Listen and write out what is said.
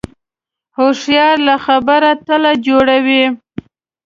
هوښیار له خبرو تله جوړوي